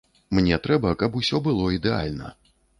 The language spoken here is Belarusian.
Мне трэба, каб усё было ідэальна.